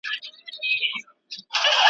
کلتوري او تاريخي مقاومت و